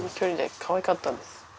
かわいかったんです。